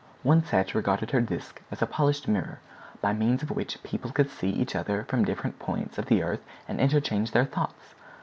One set regarded her disc as a polished mirror, by means of which people could see each other from different points of the earth and interchange their thoughts.